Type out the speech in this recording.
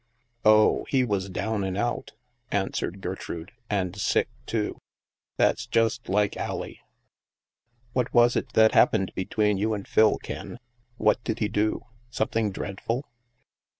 " Oh, he was down and out," answered Gertrude, "and sick too. That's just like Allie ... What was it that happened between you and Phil, Ken? What did he do? Something dreadful?